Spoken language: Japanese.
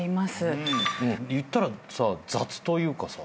言ったら雑というかさ。